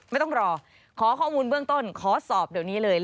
ไม่ต้องรอขอข้อมูลเบื้องต้นขอสอบเดี๋ยวนี้เลย